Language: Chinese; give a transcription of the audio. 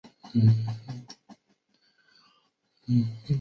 而利用梅森增益公式可以找到输入和输出之间的关系。